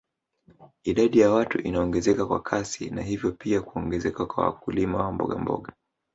Idadi ya watu inaongezeka kwa kasi na hivyo pia kuongezeka kwa wakulima wa mbogamboga